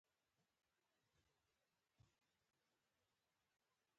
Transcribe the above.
افغانستان د واورې په برخه کې نړیوالو بنسټونو سره دی.